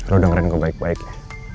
lo dengerin gue baik baik ya